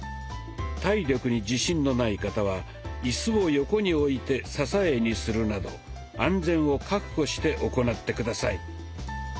体力に自信のない方はイスを横に置いて支えにするなど安全を確保して行って下さい。